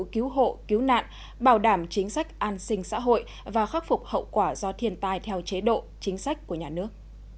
cứu hộ cứu nạn bảo đảm chính sách an sinh xã hội và khắc phục hậu quả do thiên tai theo chế độ chính sách của nhà nước